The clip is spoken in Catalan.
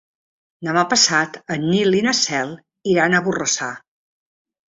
Demà passat en Nil i na Cel iran a Borrassà.